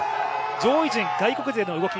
上位陣、外国勢の動き